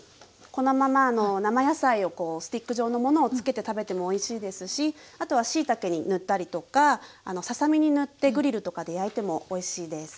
このまま生野菜をスティック状のものを付けて食べてもおいしいですしあとはしいたけに塗ったりとかささ身に塗ってグリルとかで焼いてもおいしいです。